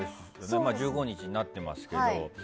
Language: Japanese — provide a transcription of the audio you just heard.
まあ１５日になっていますけども。